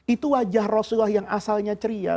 itu wajah rasulullah yang asalnya ceria